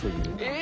え